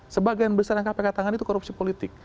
sebagian besar yang kpk tangan itu korupsi politik